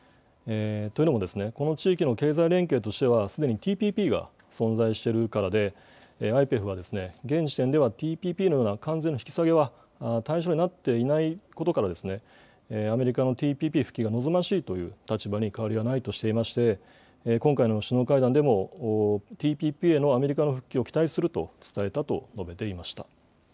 というのもですね、この地域の経済連携としては、すでにＴＰＰが存在しているからで、ＩＰＥＦは、現時点ではＴＰＰのような関税の引き下げは対象になっていないことから、アメリカのＴＰＰ復帰が望ましいという立場に変わりはないとしていまして、今回の首脳会談でも、ＴＰＰへのアメリカの復帰を期待すると伝えたと述べていました。